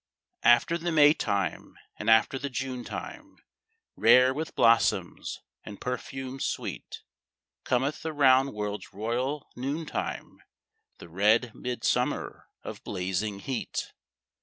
After the May time, and after the June time Rare with blossoms and perfumes sweet, Cometh the round world's royal noon time, The red midsummer of blazing heat.